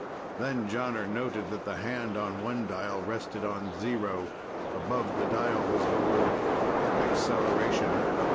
Then Jonner noted that the hand on one dial rested on zero. Above the dial was the word: "ACCELERATION."